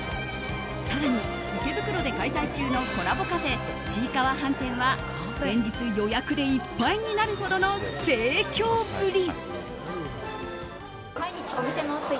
更に、池袋で開催中のコラボカフェ、ちいかわ飯店は連日予約でいっぱいになるほどの盛況ぶり。